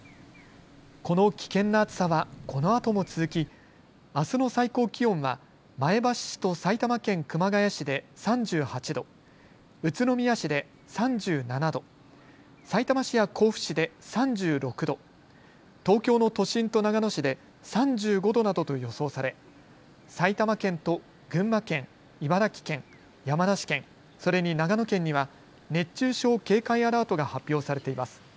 この危険な暑さはこのあとも続きあすの最高気温は前橋市と埼玉県熊谷市で３８度、宇都宮市で３７度、さいたま市や甲府市で３６度、東京の都心と長野市で３５度などと予想され、埼玉県と群馬県、茨城県、山梨県、それに長野県には熱中症警戒アラートが発表されています。